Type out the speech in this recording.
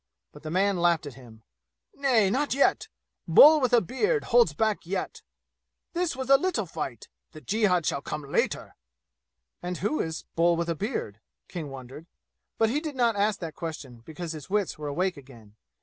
But the man laughed at him. "Nay, not yet. Bull with a beard holds back yet. This was a little fight. The jihad shall come later!" "And who is 'Bull with a beard'?" King wondered; but he did not ask that question because his wits were awake again.